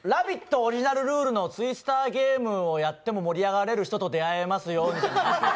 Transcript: オリジナルルールの「ツイスターゲーム」をやっても盛り上がれる人と出会えますように。